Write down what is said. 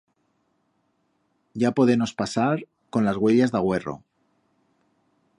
Ya podenos pasar con las uellas d'agüerro.